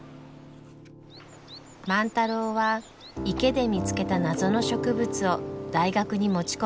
万太郎は池で見つけた謎の植物を大学に持ち込みました。